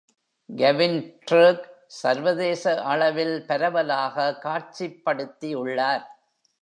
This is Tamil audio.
Gavin Turk சர்வதேச அளவில் பரவலாக காட்சிப்படுத்தி உள்ளார்.